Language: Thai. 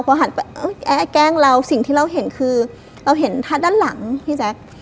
พอหันไปแกล้งเราสิ่งที่เราเห็นคือเราเห็นทัศน์ด้านหลังพี่แจ๊ค